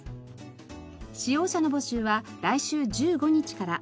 使用者の募集は来週１５日から。